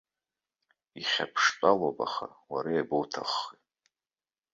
Ихьаԥштәалоуп, аха уара иабоуҭаххеи?